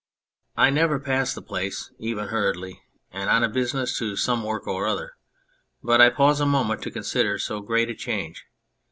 On Anything I never pass the place, even hurriedly and on business to some work or other, but I pause a moment to consider so great a change